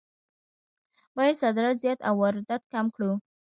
باید صادرات زیات او واردات کم کړو.